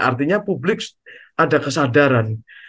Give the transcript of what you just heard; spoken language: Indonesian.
artinya publik ada kesadaran